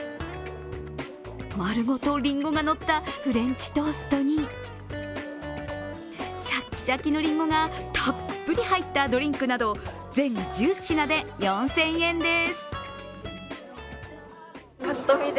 丸ごとりんごがのったフレンチトーストにしゃきしゃきのりんごがたっぷり入ったドリンクなど全１０品で４０００円です。